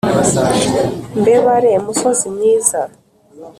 mbe bare musozi mwiza